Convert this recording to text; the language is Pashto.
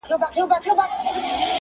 و عسکرو تې ول ځئ زموږ له کوره،